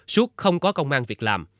xuất không có công an việc làm